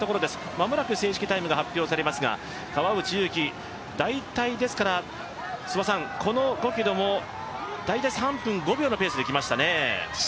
間もなく正式タイムが発表されますが、川内優輝、この５ｋｍも大体３分５秒のペースできましたね。